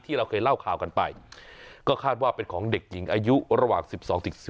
เราเคยเล่าข่าวกันไปก็คาดว่าเป็นของเด็กหญิงอายุระหว่าง๑๒๔